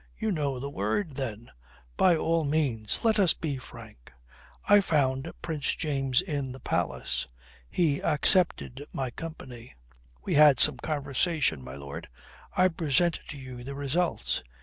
"You know the word, then? By all means let us be frank. I found Prince James in the palace. He accepted my company. We had some conversation, my lord. I present to you the results.